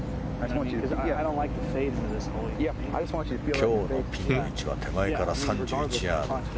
今日のピン位置は手前から３１ヤード。